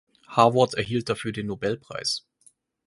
Haworth erhielt dafür den Nobelpreis.